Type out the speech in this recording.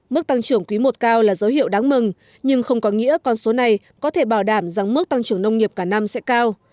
mức tăng trưởng quý i cao là dấu hiệu đáng mừng nhưng không có nghĩa con số này có thể bảo đảm rằng mức tăng trưởng nông nghiệp cả năm sẽ cao